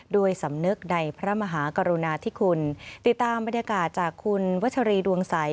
ด้วยสำนึกในพระมหากรุณาธิคุณติดตามบรรยากาศจากคุณวัชรีดวงใส